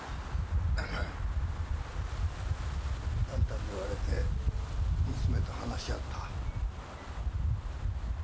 あんたに言われて娘と話し合った。